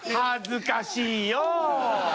恥ずかしいよ。